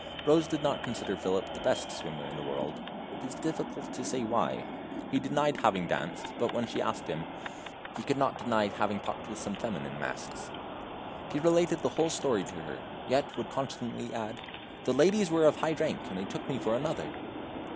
Rose did not consider Philip the best swimmer in the world it is difficult to say why. He denied having danced, but when she asked him, he could not deny having talked with some feminine masks. He related the whole story to her, yet would constantly add: "The ladies were of high rank, and they took me for another."